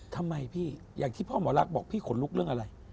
ทำไมพี่อย่างที่พ่อหมอรักบอกพี่ขนลุกเรื่องอะไร